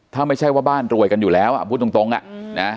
ถ้าไม่ใช่ว่าบ้านรวยกันอยู่แล้วอ่ะพูดตรงอ่ะนะ